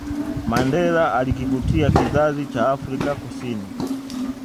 Mandela alikivutia kizazicha Afrika Kusini